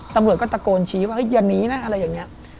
ตำรวจก็ตะโกนชี้ว่าอย่าหนีนะอะไรอย่างนี้